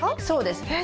そうです。